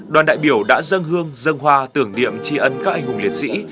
đoàn đại biểu đã dâng hương dâng hoa tưởng điệm chi ấn các anh hùng liệt sĩ